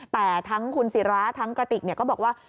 แต่ทั้งคุณศิราทั้งกระติกก็บอกว่า